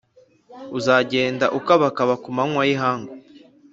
Uzagenda ukabakaba ku manywa y’ihangu